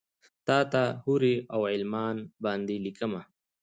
تاته حورې اوغلمان باندې لیکمه